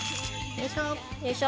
よいしょ。